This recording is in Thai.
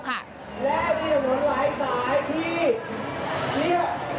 และมีหลายสายที่